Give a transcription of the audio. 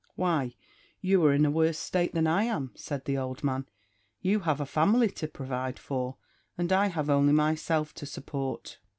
"Why, you are in a worse state than I am," said the old man; "you have a family to provide for, and I have only myself to support."